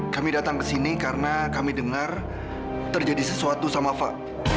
kami datang ke sini karena kami dengar terjadi sesuatu sama pak